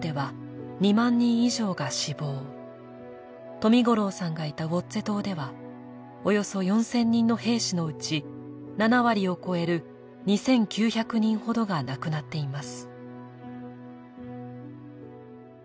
冨五郎さんがいたウオッゼ島ではおよそ４０００人の兵士のうち７割を超える２９００人ほどが亡くなっています。